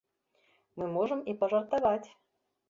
Мы можам і пажартаваць.